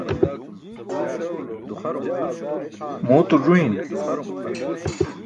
muuto ẓuyin